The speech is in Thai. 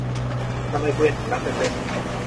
ทำไมเกวียนถึงนับเป็นเล่ม